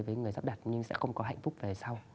với người sắp đặt nhưng sẽ không có hạnh phúc về sau